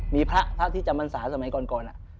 นี่พระทักที่จำบรรษาสมัยก่อนน่ะ